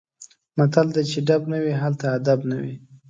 متل دی: چې ډب نه وي هلته ادب نه وي.